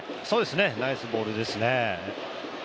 ナイスボールですね